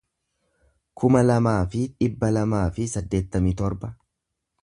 kuma lamaa fi dhibba lamaa fi saddeettamii torba